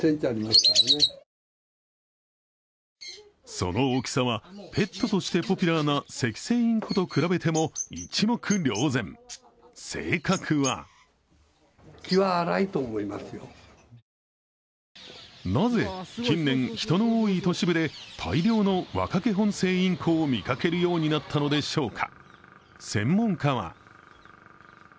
その大きさは、ペットとしてポピュラーなセキセイインコと比べても一目瞭然、性格はなぜ近年、人の多い都市部で大量のワカケホンセイインコを見かけるようになったのでしょうか。